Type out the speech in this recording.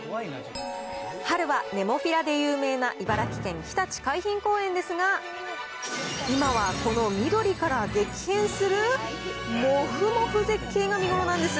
春はネモフィラで有名な茨城県ひたち海浜公園ですが、今はこの緑から激変する、もふもふ絶景が見頃なんです。